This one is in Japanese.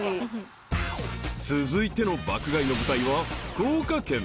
［続いての爆買いの舞台は福岡県。